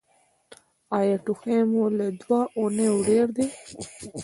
ایا ټوخی مو له دوه اونیو ډیر دی؟